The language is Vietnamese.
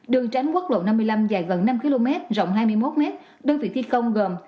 đường tránh quốc lộ năm mươi năm dài gần năm km rộng hai mươi một m đơn vị thi công gồm